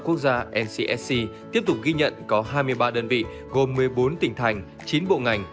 một mươi một bộ quốc gia ncsc tiếp tục ghi nhận có hai mươi ba đơn vị gồm một mươi bốn tỉnh thành chín bộ ngành